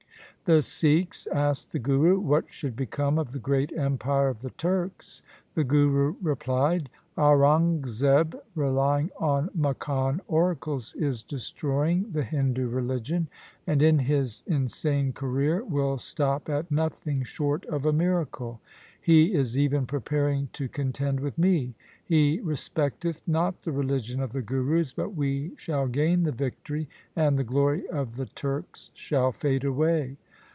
1 The Sikhs asked the Guru what should become of the great empire of the Turks. The Guru replied, ' Aurangzeb relying on Makkan oracles is destroying the Hindu religion, and in his insane career will stop at nothing short of a miracle. He is even preparing to contend with me. He respecteth not the religion of the Gurus, but we shall gain the victory, and the glory of the Turks shall fade away.